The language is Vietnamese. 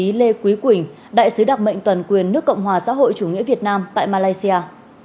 đồng chí lê quý quỳnh đại sứ đặc mệnh toàn quyền nước cộng hòa xã hội chủ nghĩa việt nam tại malaysia